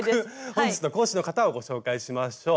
本日の講師の方をご紹介しましょう。